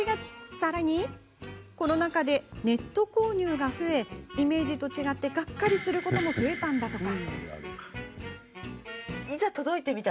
さらにコロナ禍でネット購入が増えイメージと違ってがっかりすることも増えたんだとか。